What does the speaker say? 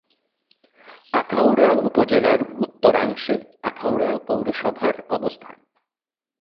আখাউড়া উপজেলার উত্তরাংশে আখাউড়া পৌরসভার অবস্থান।